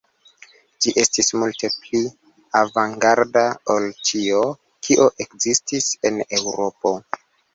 Ĝi estis multe pli avangarda ol ĉio, kio ekzistis en Eŭropo.